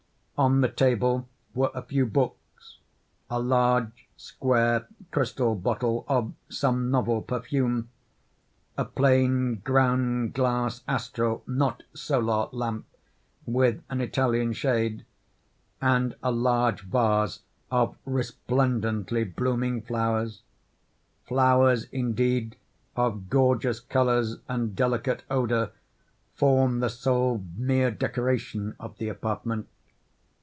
On the table were a few books; a large, square, crystal bottle of some novel perfume; a plain ground glass astral (not solar) lamp with an Italian shade; and a large vase of resplendently blooming flowers. Flowers, indeed, of gorgeous colours and delicate odour formed the sole mere decoration of the apartment.